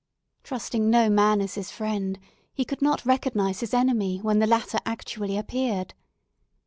Trusting no man as his friend, he could not recognize his enemy when the latter actually appeared.